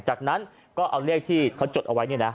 จากนั้นก็เอาเลขที่เขาจดเอาไว้เนี่ยนะ